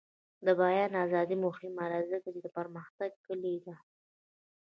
د بیان ازادي مهمه ده ځکه چې د پرمختګ کلي ده.